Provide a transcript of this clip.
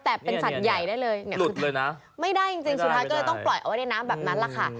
แต่เป็นสัตว์ใหญ่ได้เลยไม่ได้จริงสุดท้ายก็ต้องปล่อยเอาไว้ในน้ำแบบนั้นล่ะค่ะ